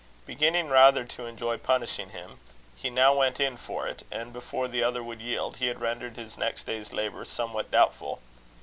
Beginning rather to enjoy punishing him, he now went in for it; and, before the other would yield, he had rendered his next day's labour somewhat doubtful.